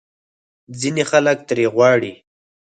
ځینې خلک ترې غواړي